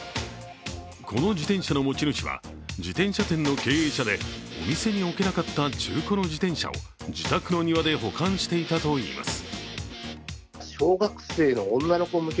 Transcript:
この自転車の持ち主は自転車店の経営者でお店に置けなかった中古の自転車を自宅の庭で保管していたといいます。